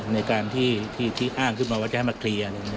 ในการที่อ้างขึ้นมาว่าจะให้มาเคลียร์